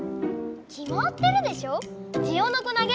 きまってるでしょジオノコなげ！